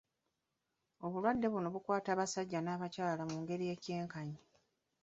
Obulwadde buno bukwata abasajja n'abakyala mu ngeri ya kyenkanyi